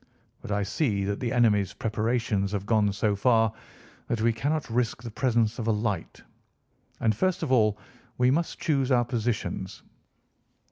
But I see that the enemy's preparations have gone so far that we cannot risk the presence of a light. And, first of all, we must choose our positions.